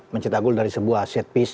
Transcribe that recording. mencetak gol dari sebuah set piece